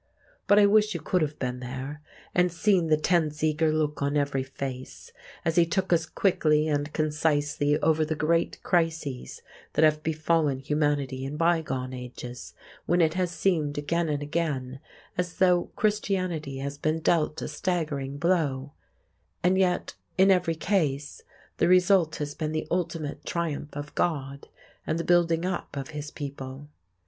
But I wish you could have been there and seen the tense eager look on every face, as he took us quickly and concisely over the great crises that have befallen humanity in bygone ages, when it has seemed again and again as though Christianity has been dealt a staggering blow—and yet in every case the result has been the ultimate triumph of God, and the building up of His people.